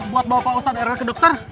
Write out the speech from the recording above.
buat bawa pak ustadz rw ke dokter